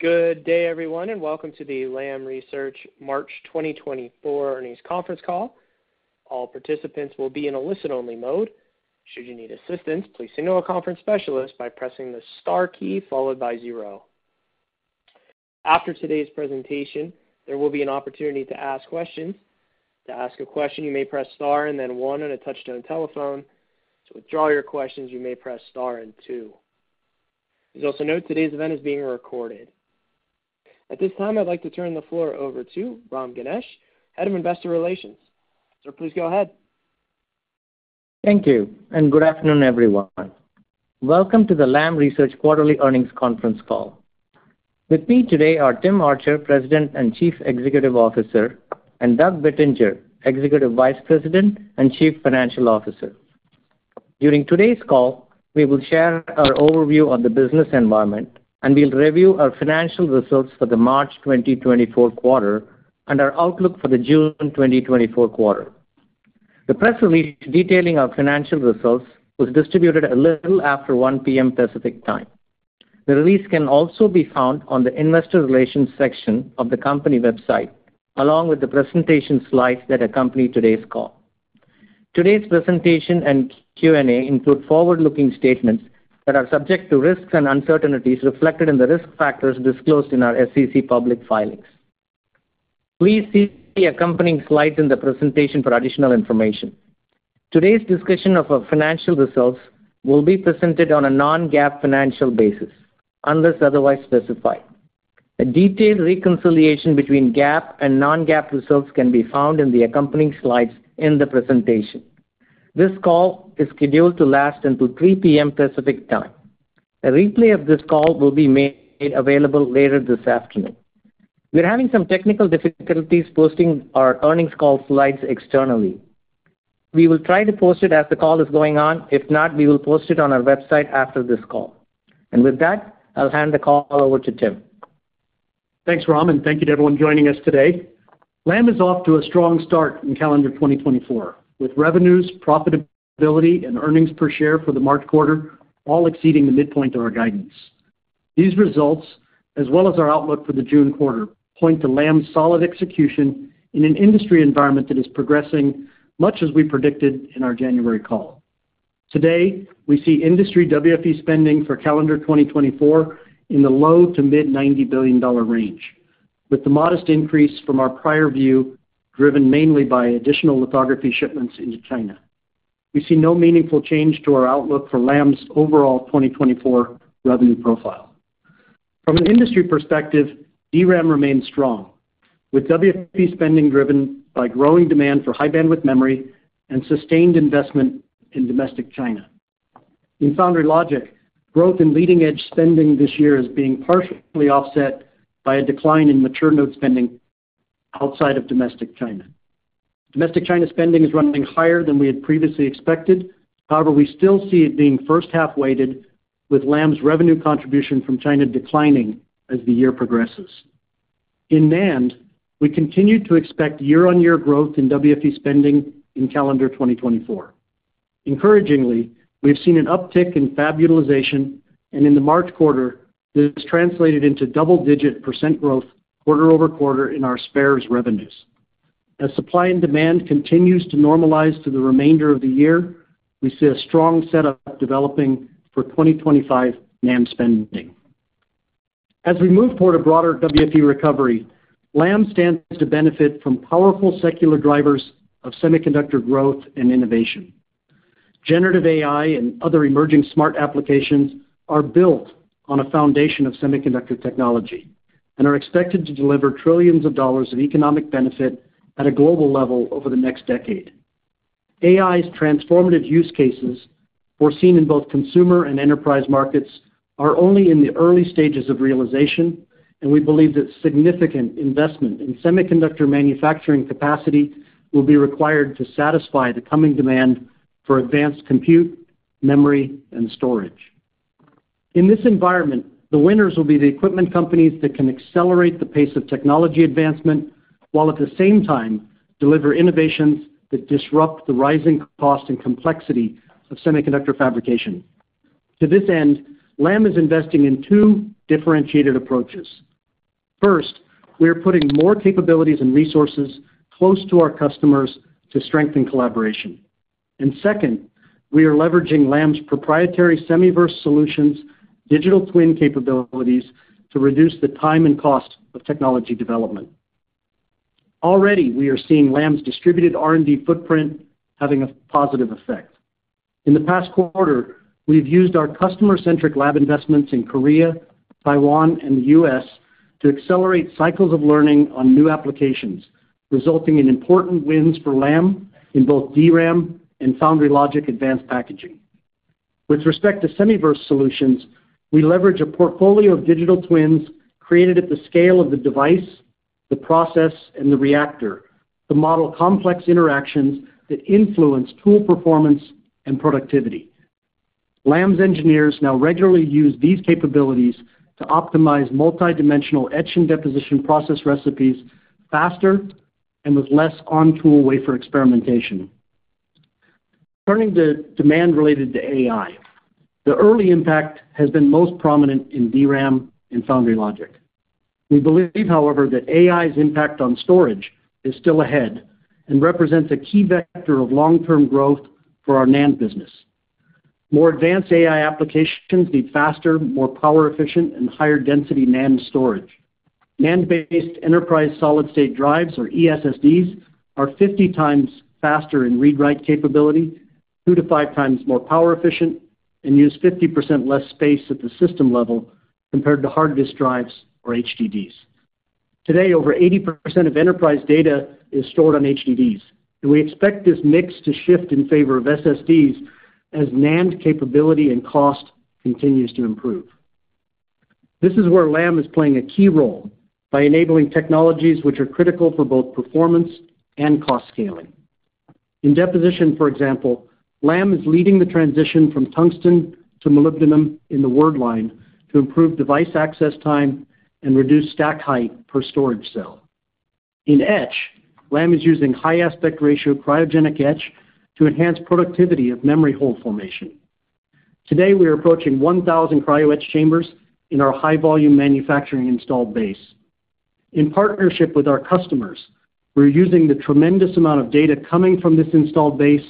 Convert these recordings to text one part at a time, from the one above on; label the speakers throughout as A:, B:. A: Good day, everyone, and welcome to the Lam Research March 2024 earnings conference call. All participants will be in a listen-only mode. Should you need assistance, please signal a conference specialist by pressing the star key followed by 0. After today's presentation, there will be an opportunity to ask questions. To ask a question, you may press star and then 1 on a touch-tone telephone. To withdraw your questions, you may press star and 2. Please also note today's event is being recorded. At this time, I'd like to turn the floor over to Ram Ganesh, Head of Investor Relations. So please go ahead.
B: Thank you, and good afternoon, everyone. Welcome to the Lam Research quarterly earnings conference call. With me today are Tim Archer, President and Chief Executive Officer, and Doug Bettinger, Executive Vice President and Chief Financial Officer. During today's call, we will share our overview of the business environment, and we'll review our financial results for the March 2024 quarter and our outlook for the June 2024 quarter. The press release detailing our financial results was distributed a little after 1:00 P.M. Pacific Time. The release can also be found on the Investor Relations section of the company website, along with the presentation slides that accompany today's call. Today's presentation and Q&A include forward-looking statements that are subject to risks and uncertainties reflected in the risk factors disclosed in our SEC public filings. Please see the accompanying slides in the presentation for additional information. Today's discussion of our financial results will be presented on a non-GAAP financial basis, unless otherwise specified. A detailed reconciliation between GAAP and non-GAAP results can be found in the accompanying slides in the presentation. This call is scheduled to last until 3:00 P.M. Pacific Time. A replay of this call will be made available later this afternoon. We're having some technical difficulties posting our earnings call slides externally. We will try to post it as the call is going on. If not, we will post it on our website after this call. With that, I'll hand the call over to Tim.
C: Thanks, Ram, and thank you to everyone joining us today. Lam is off to a strong start in calendar 2024, with revenues, profitability, and earnings per share for the March quarter all exceeding the midpoint of our guidance. These results, as well as our outlook for the June quarter, point to Lam's solid execution in an industry environment that is progressing much as we predicted in our January call. Today, we see industry WFE spending for calendar 2024 in the low to mid-$90 billion range, with the modest increase from our prior view driven mainly by additional lithography shipments into China. We see no meaningful change to our outlook for Lam's overall 2024 revenue profile. From an industry perspective, DRAM remains strong, with WFE spending driven by growing demand for high-bandwidth memory and sustained investment in domestic China. In Foundry Logic, growth in leading-edge spending this year is being partially offset by a decline in mature-node spending outside of domestic China. Domestic China spending is running higher than we had previously expected. However, we still see it being first-half weighted, with Lam's revenue contribution from China declining as the year progresses. In NAND, we continue to expect year-on-year growth in WFE spending in calendar 2024. Encouragingly, we've seen an uptick in fab utilization, and in the March quarter, this translated into double-digit % growth quarter-over-quarter in our spares revenues. As supply and demand continues to normalize to the remainder of the year, we see a strong setup developing for 2025 NAND spending. As we move toward a broader WFE recovery, Lam stands to benefit from powerful secular drivers of semiconductor growth and innovation. Generative AI and other emerging smart applications are built on a foundation of semiconductor technology and are expected to deliver trillions of dollars of economic benefit at a global level over the next decade. AI's transformative use cases foreseen in both consumer and enterprise markets are only in the early stages of realization, and we believe that significant investment in semiconductor manufacturing capacity will be required to satisfy the coming demand for advanced compute, memory, and storage. In this environment, the winners will be the equipment companies that can accelerate the pace of technology advancement while at the same time deliver innovations that disrupt the rising cost and complexity of semiconductor fabrication. To this end, Lam is investing in two differentiated approaches. First, we are putting more capabilities and resources close to our customers to strengthen collaboration. And second, we are leveraging Lam's proprietary Semiverse Solutions' digital twin capabilities to reduce the time and cost of technology development. Already, we are seeing Lam's distributed R&D footprint having a positive effect. In the past quarter, we've used our customer-centric lab investments in Korea, Taiwan, and the U.S. to accelerate cycles of learning on new applications, resulting in important wins for Lam in both DRAM and Foundry Logic advanced packaging. With respect to Semiverse Solutions, we leverage a portfolio of digital twins created at the scale of the device, the process, and the reactor, to model complex interactions that influence tool performance and productivity. Lam's engineers now regularly use these capabilities to optimize multi-dimensional etch and deposition process recipes faster and with less on-tool wafer experimentation. Turning to demand related to AI, the early impact has been most prominent in DRAM and Foundry Logic. We believe, however, that AI's impact on storage is still ahead and represents a key vector of long-term growth for our NAND business. More advanced AI applications need faster, more power-efficient, and higher-density NAND storage. NAND-based enterprise solid-state drives, or ESSDs, are 50 times faster in read-write capability, 2-5 times more power-efficient, and use 50% less space at the system level compared to hard disk drives, or HDDs. Today, over 80% of enterprise data is stored on HDDs, and we expect this mix to shift in favor of SSDs as NAND capability and cost continues to improve. This is where Lam is playing a key role by enabling technologies which are critical for both performance and cost scaling. In deposition, for example, Lam is leading the transition from tungsten to molybdenum in the word line to improve device access time and reduce stack height per storage cell. In etch, Lam is using high-aspect ratio cryogenic etch to enhance productivity of memory hole formation. Today, we are approaching 1,000 cryo etch chambers in our high-volume manufacturing installed base. In partnership with our customers, we're using the tremendous amount of data coming from this installed base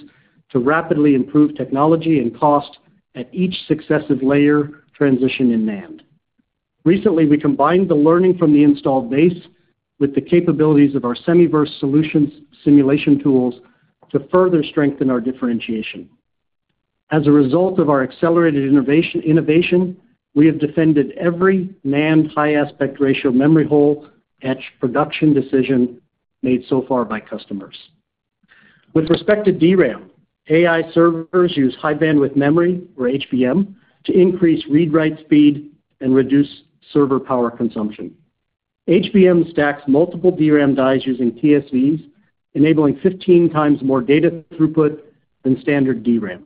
C: to rapidly improve technology and cost at each successive layer transition in NAND. Recently, we combined the learning from the installed base with the capabilities of our Semiverse Solutions' simulation tools to further strengthen our differentiation. As a result of our accelerated innovation, we have defended every NAND high-aspect ratio memory hole etch production decision made so far by customers. With respect to DRAM, AI servers use high-bandwidth memory, or HBM, to increase read-write speed and reduce server power consumption. HBM stacks multiple DRAM dies using TSVs, enabling 15 times more data throughput than standard DRAM.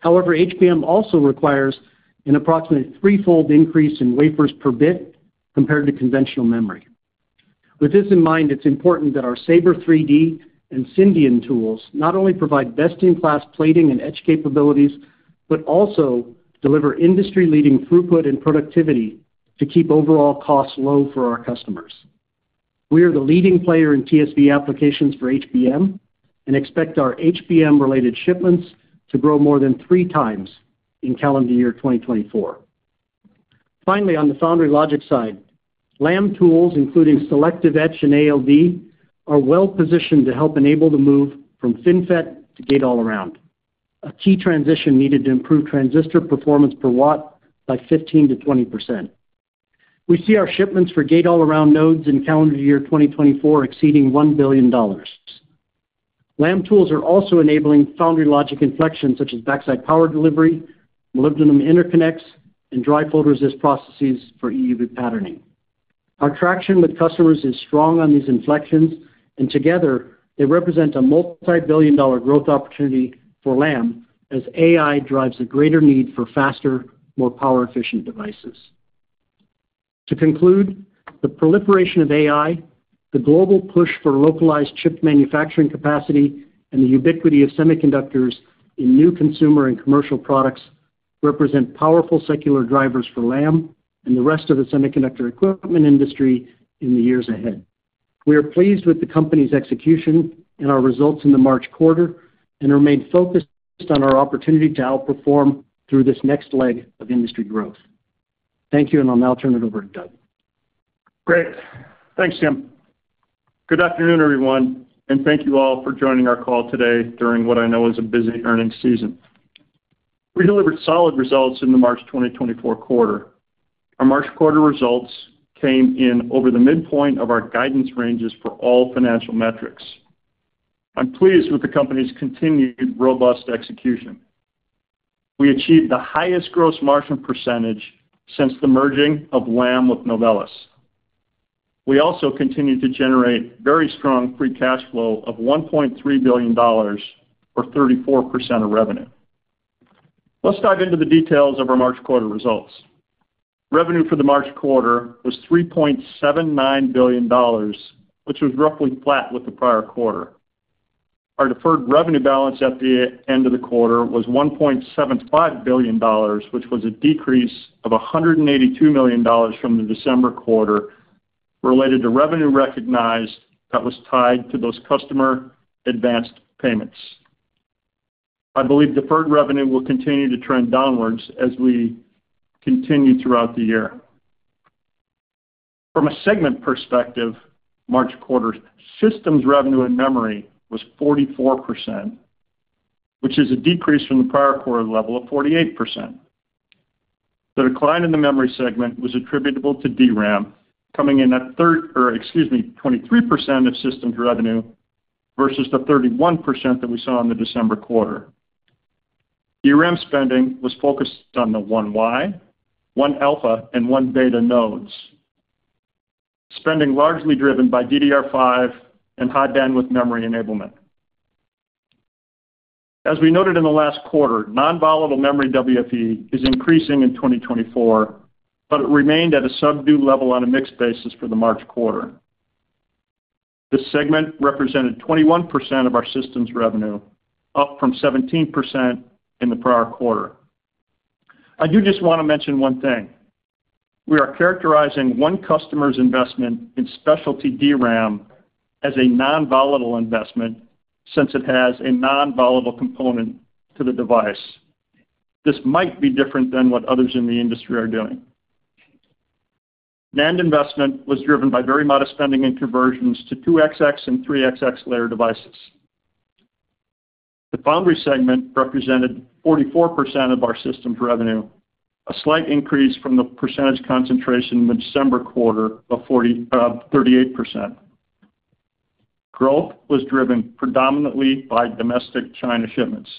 C: However, HBM also requires an approximately threefold increase in wafers per bit compared to conventional memory. With this in mind, it's important that our SABRE 3D and Syndion tools not only provide best-in-class plating and etch capabilities but also deliver industry-leading throughput and productivity to keep overall costs low for our customers. We are the leading player in TSV applications for HBM and expect our HBM-related shipments to grow more than three times in calendar year 2024. Finally, on the Foundry Logic side, Lam tools, including selective etch and ALD, are well positioned to help enable the move from FinFET to Gate All-Around, a key transition needed to improve transistor performance per watt by 15%-20%. We see our shipments for Gate All-Around nodes in calendar year 2024 exceeding $1 billion. Lam tools are also enabling foundry logic inflections such as backside power delivery, molybdenum interconnects, and dry resist processes for EUV patterning. Our traction with customers is strong on these inflections, and together, they represent a multi-billion dollar growth opportunity for Lam as AI drives a greater need for faster, more power-efficient devices. To conclude, the proliferation of AI, the global push for localized chip manufacturing capacity, and the ubiquity of semiconductors in new consumer and commercial products represent powerful secular drivers for Lam and the rest of the semiconductor equipment industry in the years ahead. We are pleased with the company's execution and our results in the March quarter and remain focused on our opportunity to outperform through this next leg of industry growth. Thank you, and I'll now turn it over to Doug.
D: Great. Thanks, Tim. Good afternoon, everyone, and thank you all for joining our call today during what I know is a busy earnings season. We delivered solid results in the March 2024 quarter. Our March quarter results came in over the midpoint of our guidance ranges for all financial metrics. I'm pleased with the company's continued robust execution. We achieved the highest gross margin percentage since the merging of Lam with Novellus. We also continue to generate very strong free cash flow of $1.3 billion, or 34% of revenue. Let's dive into the details of our March quarter results. Revenue for the March quarter was $3.79 billion, which was roughly flat with the prior quarter. Our deferred revenue balance at the end of the quarter was $1.75 billion, which was a decrease of $182 million from the December quarter related to revenue recognized that was tied to those customer advanced payments. I believe deferred revenue will continue to trend downwards as we continue throughout the year. From a segment perspective, March quarter's systems revenue in memory was 44%, which is a decrease from the prior quarter level of 48%. The decline in the memory segment was attributable to DRAM, coming in at 30% or excuse me, 23% of systems revenue versus the 31% that we saw in the December quarter. DRAM spending was focused on the 1Y, 1Alpha, and 1Beta nodes, spending largely driven by DDR5 and high-bandwidth memory enablement. As we noted in the last quarter, non-volatile memory WFE is increasing in 2024, but it remained at a subdued level on a mixed basis for the March quarter. This segment represented 21% of our systems revenue, up from 17% in the prior quarter. I do just want to mention one thing. We are characterizing one customer's investment in specialty DRAM as a non-volatile investment since it has a non-volatile component to the device. This might be different than what others in the industry are doing. NAND investment was driven by very modest spending and conversions to 2XX and 3XX layer devices. The Foundry segment represented 44% of our systems revenue, a slight increase from the percentage concentration in the December quarter of 38%. Growth was driven predominantly by domestic China shipments.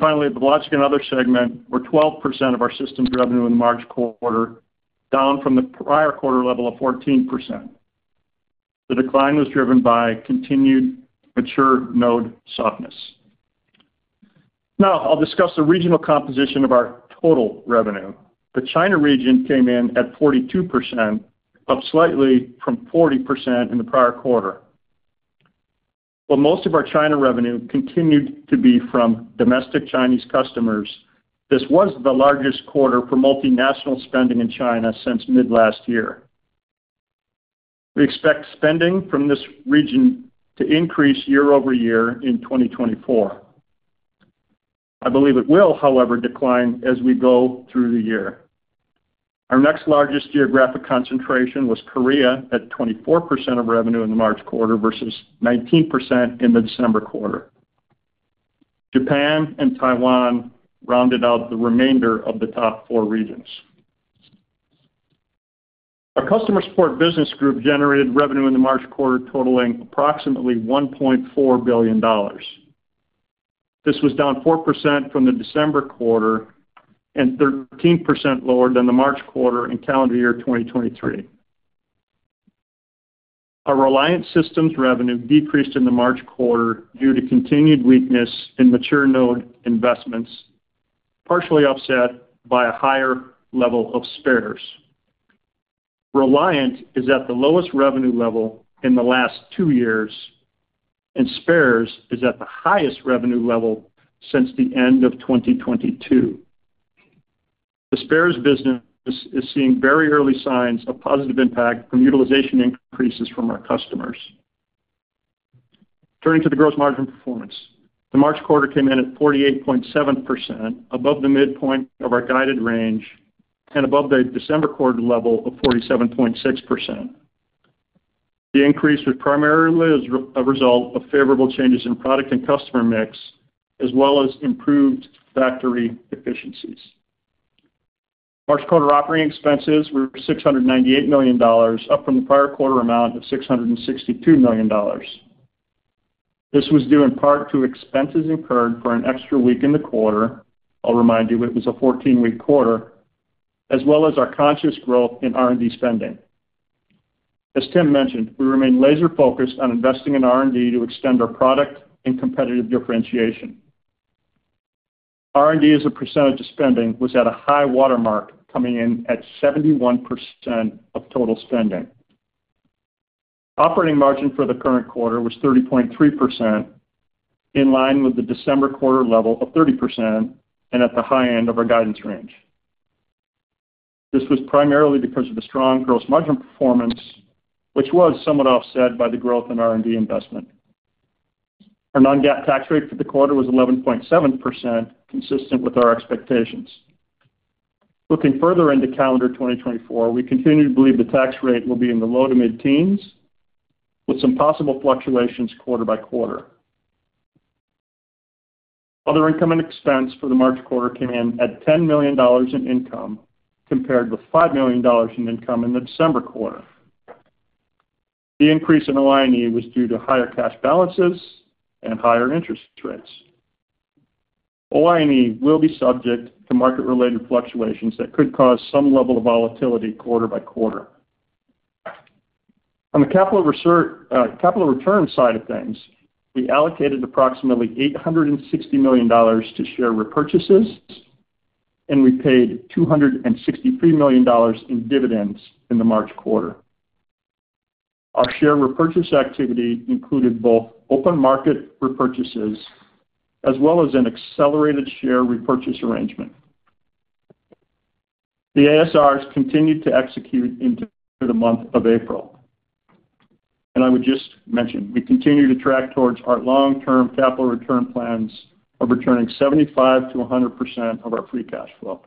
D: Finally, the Logic and Other segment were 12% of our systems revenue in the March quarter, down from the prior quarter level of 14%. The decline was driven by continued mature node softness. Now, I'll discuss the regional composition of our total revenue. The China region came in at 42%, up slightly from 40% in the prior quarter. While most of our China revenue continued to be from domestic Chinese customers, this was the largest quarter for multinational spending in China since mid-last year. We expect spending from this region to increase year-over-year in 2024. I believe it will, however, decline as we go through the year. Our next largest geographic concentration was Korea at 24% of revenue in the March quarter versus 19% in the December quarter. Japan and Taiwan rounded out the remainder of the top four regions. Our customer support business group generated revenue in the March quarter totaling approximately $1.4 billion. This was down 4% from the December quarter and 13% lower than the March quarter in calendar year 2023. Our Reliant Systems revenue decreased in the March quarter due to continued weakness in mature node investments, partially upset by a higher level of spares. Reliant is at the lowest revenue level in the last two years, and spares is at the highest revenue level since the end of 2022. The spares business is seeing very early signs of positive impact from utilization increases from our customers. Turning to the gross margin performance, the March quarter came in at 48.7%, above the midpoint of our guided range and above the December quarter level of 47.6%. The increase was primarily a result of favorable changes in product and customer mix as well as improved factory efficiencies. March quarter operating expenses were $698 million, up from the prior quarter amount of $662 million. This was due in part to expenses incurred for an extra week in the quarter - I'll remind you, it was a 14-week quarter - as well as our conscious growth in R&D spending. As Tim mentioned, we remain laser-focused on investing in R&D to extend our product and competitive differentiation. R&D as a percentage of spending was at a high watermark, coming in at 71% of total spending. Operating margin for the current quarter was 30.3%, in line with the December quarter level of 30% and at the high end of our guidance range. This was primarily because of the strong gross margin performance, which was somewhat offset by the growth in R&D investment. Our non-GAAP tax rate for the quarter was 11.7%, consistent with our expectations. Looking further into calendar 2024, we continue to believe the tax rate will be in the low to mid-teens, with some possible fluctuations quarter by quarter. Other income and expense for the March quarter came in at $10 million in income compared with $5 million in income in the December quarter. The increase in OI&E was due to higher cash balances and higher interest rates. OI&E will be subject to market-related fluctuations that could cause some level of volatility quarter by quarter. On the capital return side of things, we allocated approximately $860 million to share repurchases, and we paid $263 million in dividends in the March quarter. Our share repurchase activity included both open market repurchases as well as an accelerated share repurchase arrangement. The ASRs continued to execute into the month of April. And I would just mention, we continue to track towards our long-term capital return plans of returning 75%-100% of our free cash flow.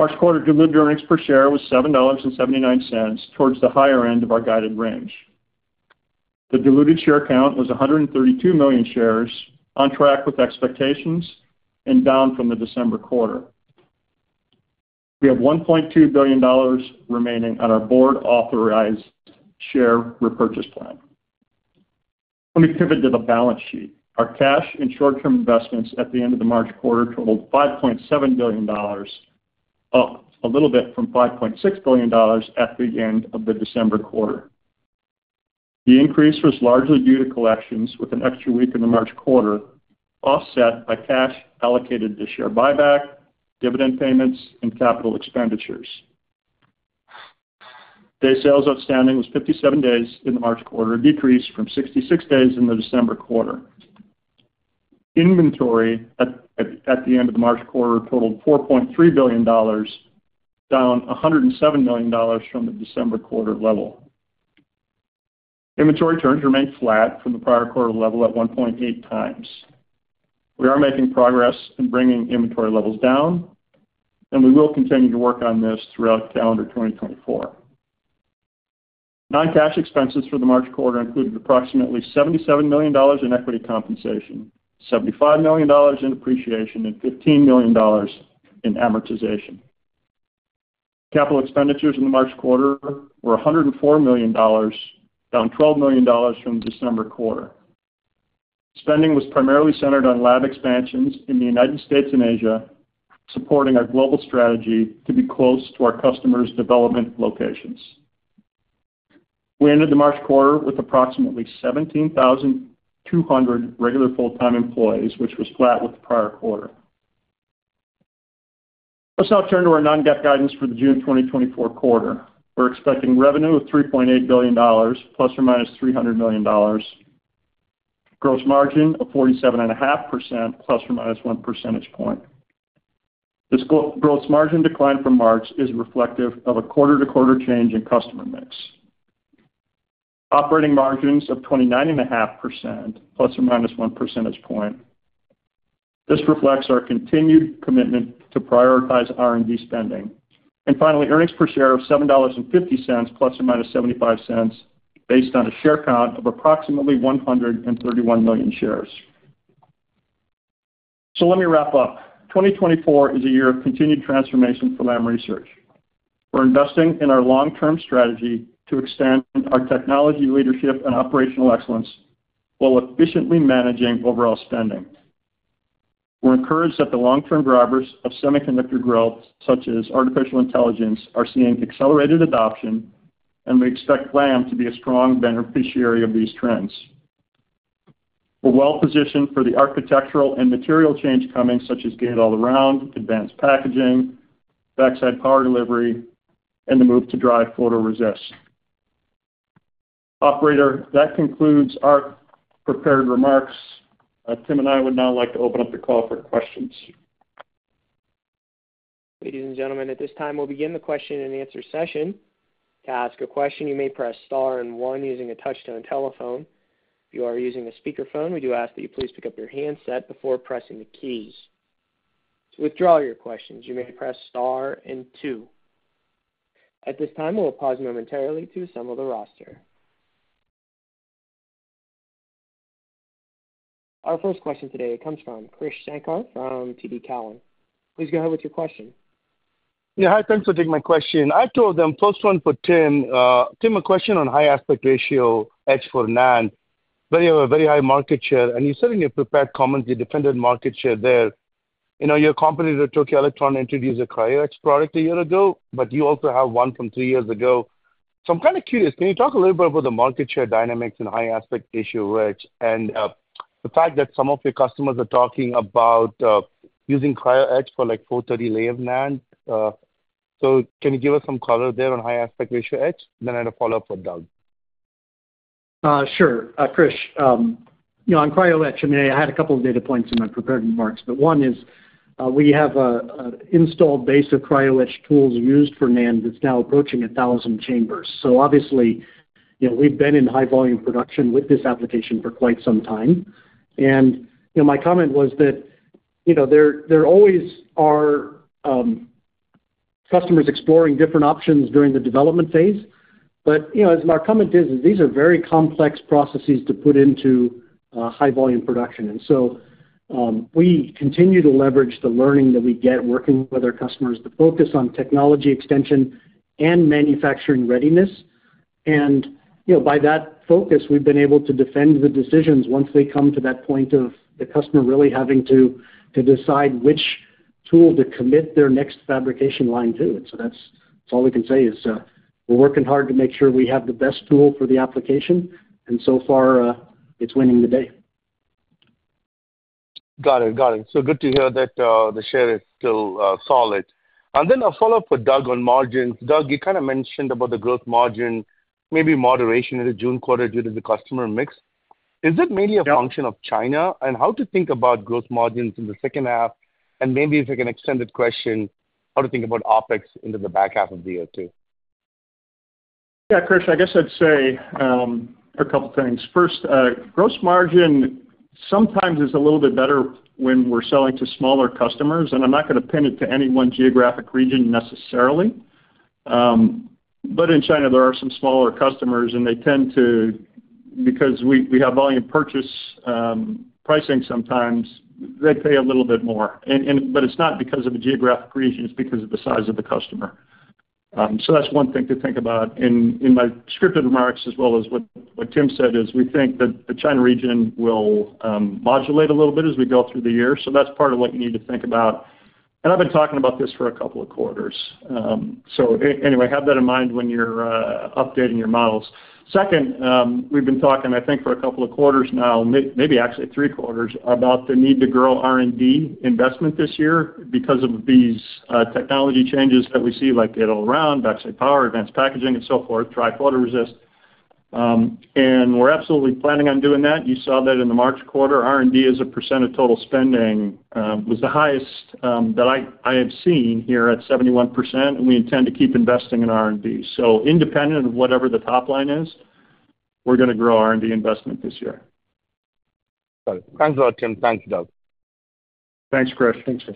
D: March quarter diluted earnings per share was $7.79, towards the higher end of our guided range. The diluted share count was 132 million shares, on track with expectations and down from the December quarter. We have $1.2 billion remaining on our board-authorized share repurchase plan. Let me pivot to the balance sheet. Our cash and short-term investments at the end of the March quarter totaled $5.7 billion, up a little bit from $5.6 billion at the end of the December quarter. The increase was largely due to collections with an extra week in the March quarter, offset by cash allocated to share buyback, dividend payments, and capital expenditures. Day sales outstanding was 57 days in the March quarter, a decrease from 66 days in the December quarter. Inventory at the end of the March quarter totaled $4.3 billion, down $107 million from the December quarter level. Inventory turns remained flat from the prior quarter level at 1.8 times. We are making progress in bringing inventory levels down, and we will continue to work on this throughout calendar 2024. Non-cash expenses for the March quarter included approximately $77 million in equity compensation, $75 million in appreciation, and $15 million in amortization. Capital expenditures in the March quarter were $104 million, down $12 million from the December quarter. Spending was primarily centered on lab expansions in the United States and Asia, supporting our global strategy to be close to our customers' development locations. We ended the March quarter with approximately 17,200 regular full-time employees, which was flat with the prior quarter. Let's now turn to our non-GAAP guidance for the June 2024 quarter. We're expecting revenue of $3.8 billion ±$300 million, gross margin of 47.5% ±1 percentage point. This gross margin decline from March is reflective of a quarter-to-quarter change in customer mix. Operating margins of 29.5% ±1 percentage point. This reflects our continued commitment to prioritize R&D spending. And finally, earnings per share of $7.50 ±$0.75, based on a share count of approximately 131 million shares. So let me wrap up. 2024 is a year of continued transformation for Lam Research. We're investing in our long-term strategy to extend our technology leadership and operational excellence while efficiently managing overall spending. We're encouraged that the long-term drivers of semiconductor growth, such as artificial intelligence, are seeing accelerated adoption, and we expect Lam to be a strong beneficiary of these trends. We're well-positioned for the architectural and material change coming, such as gate all-around, advanced packaging, backside power delivery, and the move to dry photoresist. Operator, that concludes our prepared remarks. Tim and I would now like to open up the call for questions.
A: Ladies and gentlemen, at this time, we'll begin the question and answer session. To ask a question, you may press star and one using a touch-tone telephone. If you are using a speakerphone, we do ask that you please pick up your handset before pressing the keys. To withdraw your questions, you may press star and two. At this time, we'll pause momentarily to assemble the roster. Our first question today, it comes from Krish Sankar from TD Cowen. Please go ahead with your question.
E: Yeah. Hi. Thanks for taking my question. I have one for Tim. Tim, a question on high aspect ratio etch for NAND. Very high market share. And you said in your prepared comments, you defended market share there. Your competitor, Tokyo Electron, introduced a CryoEdge product a year ago, but you also have one from three years ago. So I'm kind of curious. Can you talk a little bit about the market share dynamics and high aspect ratio etch and the fact that some of your customers are talking about using CryoEdge for 430-layer NAND? So can you give us some color there on high aspect ratio etch? Then I had a follow-up for Doug.
C: Sure. Krish, on CryoEdge, I mean, I had a couple of data points in my prepared remarks. But one is we have an installed base of CryoEdge tools used for NAND that's now approaching 1,000 chambers. So obviously, we've been in high-volume production with this application for quite some time. And my comment was that there always are customers exploring different options during the development phase. But as my comment is, these are very complex processes to put into high-volume production. And so we continue to leverage the learning that we get working with our customers to focus on technology extension and manufacturing readiness. And by that focus, we've been able to defend the decisions once they come to that point of the customer really having to decide which tool to commit their next fabrication line to. That's all we can say is we're working hard to make sure we have the best tool for the application. And so far, it's winning the day.
E: Got it. Got it. So good to hear that the share is still solid. And then a follow-up for Doug on margins. Doug, you kind of mentioned about the gross margin, maybe moderation in the June quarter due to the customer mix. Is it mainly a function of China? And how to think about gross margins in the second half? And maybe if you can extend that question, how to think about OpEx into the back half of the year too?
D: Yeah. Krish, I guess I'd say a couple of things. First, gross margin sometimes is a little bit better when we're selling to smaller customers. And I'm not going to pin it to any one geographic region necessarily. But in China, there are some smaller customers, and they tend to because we have volume purchase pricing sometimes, they pay a little bit more. But it's not because of a geographic region. It's because of the size of the customer. So that's one thing to think about. In my scripted remarks, as well as what Tim said, is we think that the China region will modulate a little bit as we go through the year. So that's part of what you need to think about. And I've been talking about this for a couple of quarters. So anyway, have that in mind when you're updating your models. Second, we've been talking, I think, for a couple of quarters now, maybe actually three quarters, about the need to grow R&D investment this year because of these technology changes that we see, like gate-all-around, backside power, advanced packaging, and so forth, dry photoresist. And we're absolutely planning on doing that. You saw that in the March quarter. R&D as a percent of total spending was the highest that I have seen here at 71%. And we intend to keep investing in R&D. So independent of whatever the top line is, we're going to grow R&D investment this year.
E: Got it. Thanks a lot, Tim. Thanks, Doug.
D: Thanks, Krish.
C: Thanks, Krish.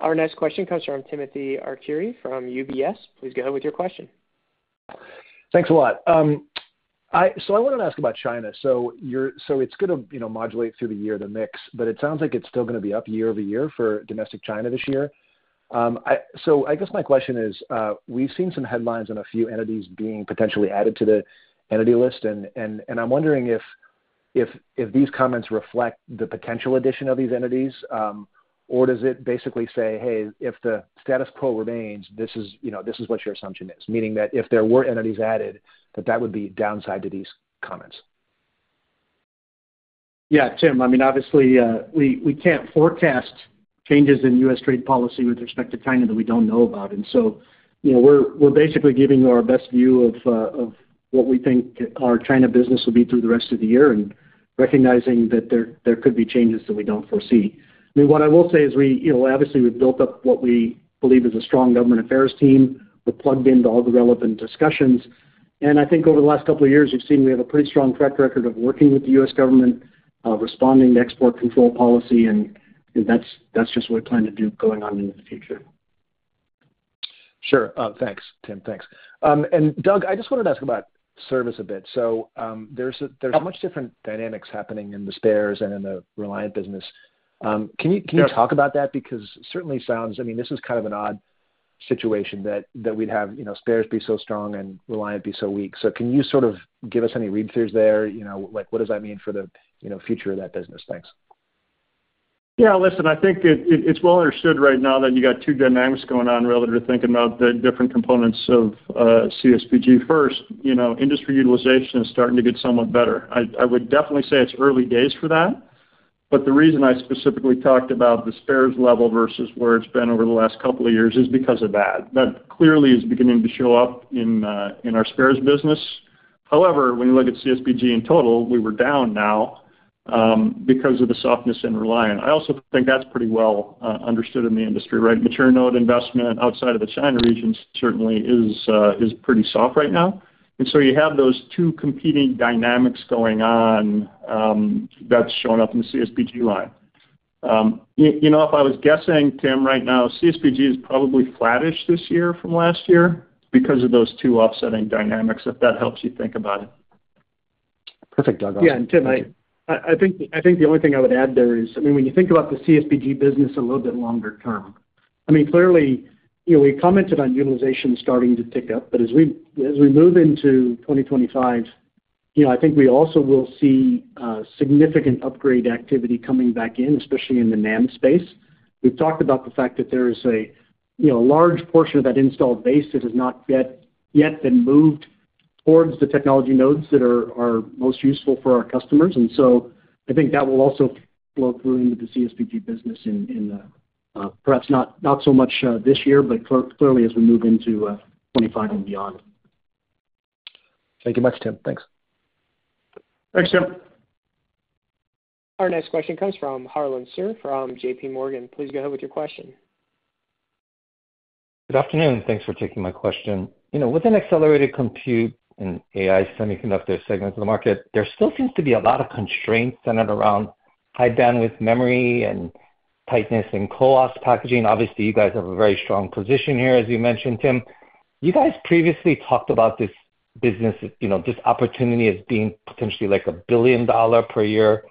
A: Our next question comes from Timothy Arcuri from UBS. Please go ahead with your question.
F: Thanks a lot. So I wanted to ask about China. So it's going to modulate through the year, the mix. But it sounds like it's still going to be up year-over-year for domestic China this year. So I guess my question is, we've seen some headlines on a few entities being potentially added to the entity list. And I'm wondering if these comments reflect the potential addition of these entities, or does it basically say, "Hey, if the status quo remains, this is what your assumption is"? Meaning that if there were entities added, that that would be downside to these comments.
C: Yeah. Tim, I mean, obviously, we can't forecast changes in U.S. trade policy with respect to China that we don't know about. And so we're basically giving you our best view of what we think our China business will be through the rest of the year and recognizing that there could be changes that we don't foresee. I mean, what I will say is, obviously, we've built up what we believe is a strong government affairs team. We're plugged into all the relevant discussions. And I think over the last couple of years, you've seen we have a pretty strong track record of working with the U.S. government, responding to export control policy. And that's just what we plan to do going on into the future.
F: Sure. Thanks, Tim. Thanks. And Doug, I just wanted to ask about service a bit. So there's much different dynamics happening in the spares and in the Reliant business. Can you talk about that? Because certainly, it sounds—I mean, this is kind of an odd situation that we'd have spares be so strong and Reliant be so weak. So can you sort of give us any read-throughs there? What does that mean for the future of that business? Thanks. Y
D: Listen, I think it's well understood right now that you got two dynamics going on relative to thinking about the different components of CSBG. First, industry utilization is starting to get somewhat better. I would definitely say it's early days for that. But the reason I specifically talked about the spares level versus where it's been over the last couple of years is because of that. That clearly is beginning to show up in our spares business. However, when you look at CSBG in total, we were down now because of the softness in Reliant. I also think that's pretty well understood in the industry, right? Mature node investment outside of the China region certainly is pretty soft right now. And so you have those two competing dynamics going on that's shown up in the CSBG line. If I was guessing, Tim, right now, CSBG is probably flattish this year from last year because of those two offsetting dynamics, if that helps you think about it.
F: Perfect, Doug.
C: Yeah. And Tim, I think the only thing I would add there is, I mean, when you think about the CSBG business a little bit longer term, I mean, clearly, we commented on utilization starting to tick up. But as we move into 2025, I think we also will see significant upgrade activity coming back in, especially in the NAND space. We've talked about the fact that there is a large portion of that installed base that has not yet been moved towards the technology nodes that are most useful for our customers. And so I think that will also flow through into the CSBG business in perhaps not so much this year, but clearly as we move into 2025 and beyond.
F: Thank you much, Tim.
C: Thanks.
D: Thanks, Tim.
A: Our next question comes from Harlan Sur from JPMorgan. Please go ahead with your question.
G: Good afternoon. Thanks for taking my question. Within accelerated compute and AI semiconductor segments of the market, there still seems to be a lot of constraints centered around high bandwidth memory and tightness and co-op packaging. Obviously, you guys have a very strong position here, as you mentioned, Tim. You guys previously talked about this business, this opportunity as being potentially like a $1 billion per year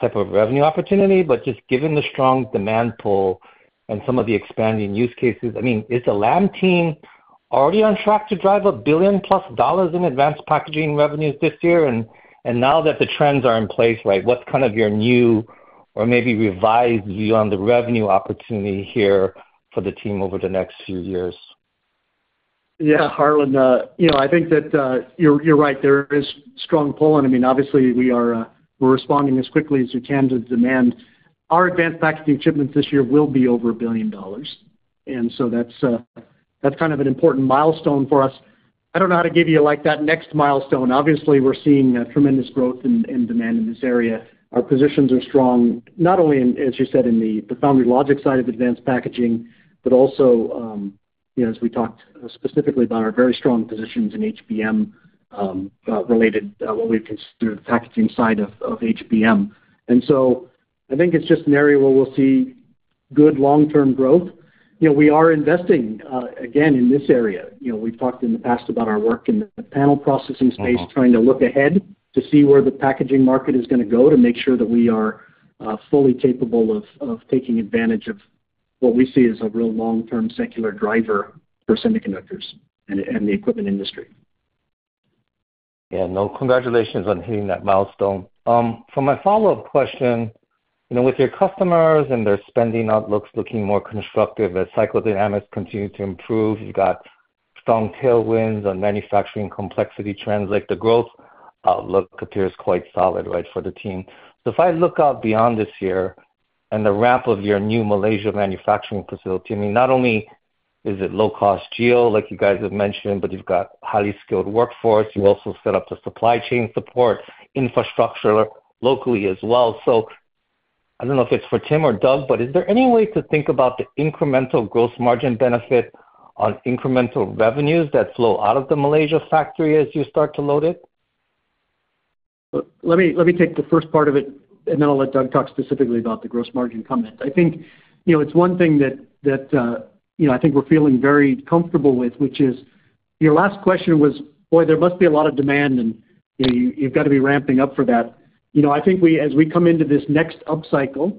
G: type of revenue opportunity. But just given the strong demand pull and some of the expanding use cases, I mean, is the Lam team already on track to drive $1 billion+ in advanced packaging revenues this year? And now that the trends are in place, right, what's kind of your new or maybe revised view on the revenue opportunity here for the team over the next few years?
D: Yeah. Harlan, I think that you're right. There is strong pull. And I mean, obviously, we're responding as quickly as we can to the demand. Our advanced packaging shipments this year will be over $1 billion. And so that's kind of an important milestone for us. I don't know how to give you that next milestone. Obviously, we're seeing tremendous growth in demand in this area. Our positions are strong, not only, as you said, in the foundry logic side of advanced packaging, but also, as we talked specifically about, our very strong positions in HBM-related, what we consider the packaging side of HBM. And so I think it's just an area where we'll see good long-term growth. We are investing, again, in this area. We've talked in the past about our work in the panel processing space, trying to look ahead to see where the packaging market is going to go to make sure that we are fully capable of taking advantage of what we see as a real long-term secular driver for semiconductors and the equipment industry.
G: Yeah. No. Congratulations on hitting that milestone. For my follow-up question, with your customers and their spending outlooks looking more constructive, their cyclical dynamics continue to improve. You've got strong tailwinds on manufacturing complexity translate. The growth outlook appears quite solid, right, for the team. So if I look out beyond this year and the ramp of your new Malaysia manufacturing facility, I mean, not only is it low-cost geo, like you guys have mentioned, but you've got highly skilled workforce. You also set up the supply chain support infrastructure locally as well. So I don't know if it's for Tim or Doug, but is there any way to think about the incremental gross margin benefit on incremental revenues that flow out of the Malaysia factory as you start to load it?
C: Let me take the first part of it, and then I'll let Doug talk specifically about the gross margin comments. I think it's one thing that I think we're feeling very comfortable with, which is your last question was, "Boy, there must be a lot of demand, and you've got to be ramping up for that." I think as we come into this next upcycle,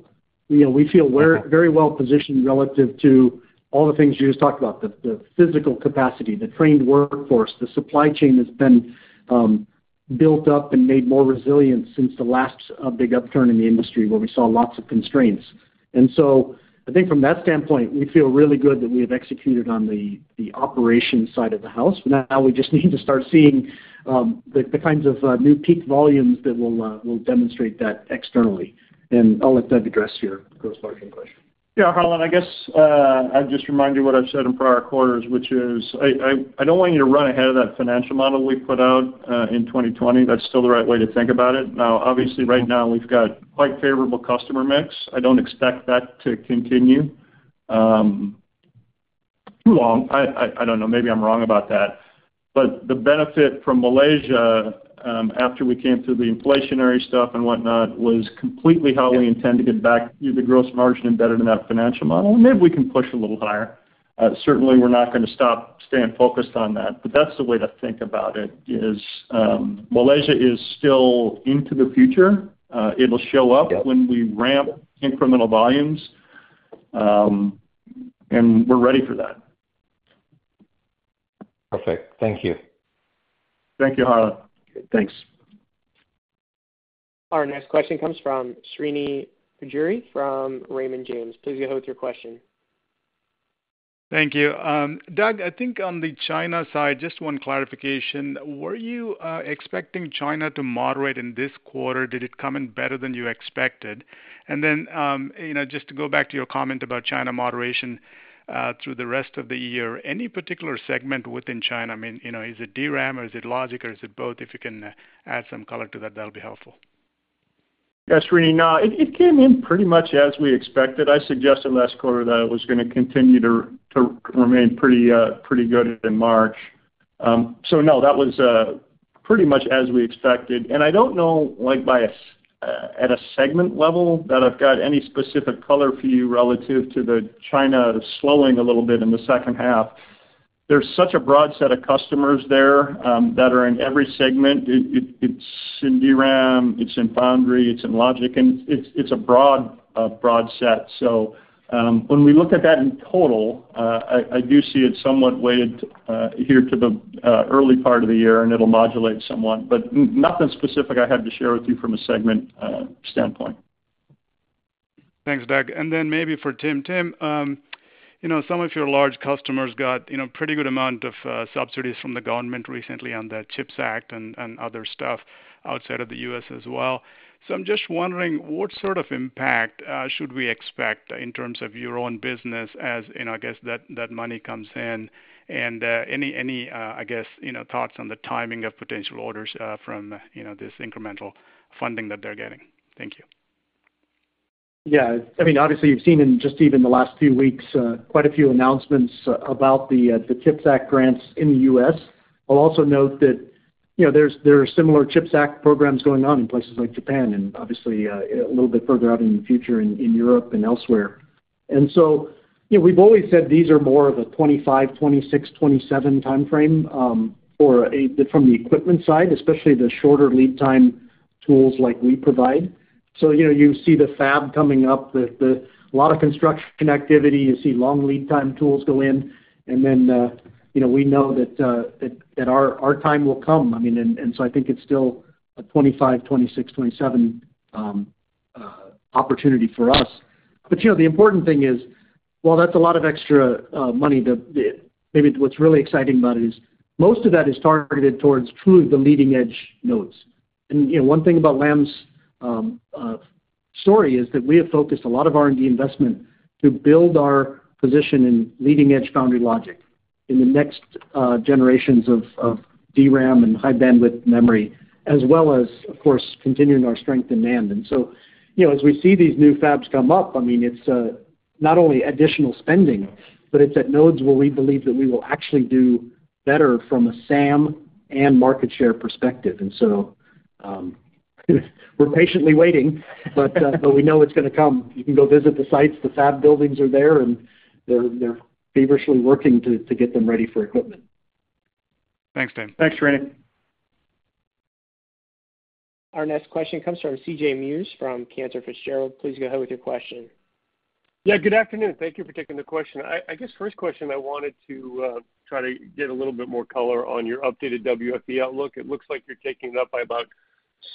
C: we feel very well positioned relative to all the things you just talked about, the physical capacity, the trained workforce. The supply chain has been built up and made more resilient since the last big upturn in the industry where we saw lots of constraints. And so I think from that standpoint, we feel really good that we have executed on the operations side of the house. Now, we just need to start seeing the kinds of new peak volumes that will demonstrate that externally. And I'll let Doug address your gross margin question.
D: Harlan, I guess I'd just remind you what I've said in prior quarters, which is I don't want you to run ahead of that financial model we put out in 2020. That's still the right way to think about it. Now, obviously, right now, we've got quite favorable customer mix. I don't expect that to continue too long. I don't know. Maybe I'm wrong about that. But the benefit from Malaysia after we came through the inflationary stuff and whatnot was completely how we intend to get back the gross margin embedded in that financial model. And maybe we can push a little higher. Certainly, we're not going to stop staying focused on that. But that's the way to think about it, is Malaysia is still into the future. It'll show up when we ramp incremental volumes. And we're ready for that.
G: Perfect. Thank you.
D: Thank you, Harlan.
C: Thanks.
A: Our next question comes from Srini Pajjuri from Raymond James. Please go ahead with your question.
H: Thank you. Doug, I think on the China side, just one clarification. Were you expecting China to moderate in this quarter? Did it come in better than you expected? And then just to go back to your comment about China moderation through the rest of the year, any particular segment within China? I mean, is it DRAM, or is it logic, or is it both? If you can add some color to that, that'll be helpful.
D: Yeah. Srini, no. It came in pretty much as we expected. I suggested last quarter that it was going to continue to remain pretty good in March. So no, that was pretty much as we expected. I don't know at a segment level that I've got any specific color for you relative to the China slowing a little bit in the second half. There's such a broad set of customers there that are in every segment. It's in DRAM. It's in foundry. It's in logic. And it's a broad set. So when we look at that in total, I do see it somewhat weighted here to the early part of the year. And it'll modulate somewhat. But nothing specific I have to share with you from a segment standpoint.
H: Thanks, Doug. And then maybe for Tim, Tim, some of your large customers got a pretty good amount of subsidies from the government recently on the CHIPS Act and other stuff outside of the U.S. as well. I'm just wondering, what sort of impact should we expect in terms of your own business as, I guess, that money comes in? And any, I guess, thoughts on the timing of potential orders from this incremental funding that they're getting? Thank you.
C: Yeah. I mean, obviously, you've seen in just even the last few weeks quite a few announcements about the CHIPS Act grants in the U.S. I'll also note that there are similar CHIPS Act programs going on in places like Japan and, obviously, a little bit further out in the future in Europe and elsewhere. And so we've always said these are more of a 2025, 2026, 2027 timeframe from the equipment side, especially the shorter lead time tools like we provide. So you see the fab coming up, a lot of construction activity. You see long lead time tools go in. Then we know that our time will come. I mean, and so I think it's still a 2025, 2026, 2027 opportunity for us. The important thing is, well, that's a lot of extra money. Maybe what's really exciting about it is most of that is targeted towards truly the leading-edge nodes. One thing about Lam's story is that we have focused a lot of R&D investment to build our position in leading-edge foundry logic in the next generations of DRAM and high bandwidth memory, as well as, of course, continuing our strength in NAND. So as we see these new fabs come up, I mean, it's not only additional spending, but it's at nodes where we believe that we will actually do better from a SAM and market share perspective. We're patiently waiting, but we know it's going to come. You can go visit the sites. The fab buildings are there. They're feverishly working to get them ready for equipment.
H: Thanks, Tim.
C: Thanks, Srini.
A: Our next question comes from C.J. Muse from Cantor Fitzgerald. Please go ahead with your question.
I: Yeah. Good afternoon. Thank you for taking the question. I guess first question, I wanted to try to get a little bit more color on your updated WFE outlook. It looks like you're taking it up by about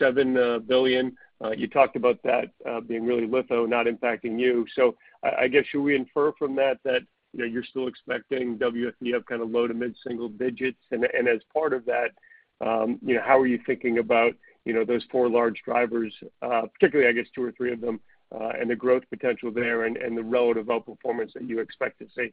I: $7 billion. You talked about that being really litho and not impacting you. So I guess should we infer from that that you're still expecting WFE up kind of low- to mid-single digits%? And as part of that, how are you thinking about those four large drivers, particularly, I guess, two or three of them and the growth potential there and the relative outperformance that you expect to see?